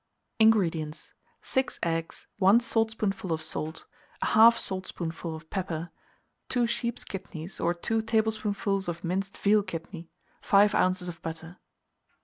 INGREDIENTS. 6 eggs, 1 saltspoonful of salt, 1/2 saltspoonful of pepper, 2 sheep's kidneys, or 2 tablespoonfuls of minced veal kidney, 5 oz. of butter.